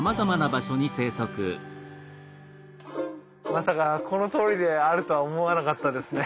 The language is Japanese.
まさかこの通りであるとは思わなかったですね。